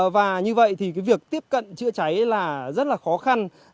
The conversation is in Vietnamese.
và như vậy thì việc tiếp cận chữa cháy là rất là khó khăn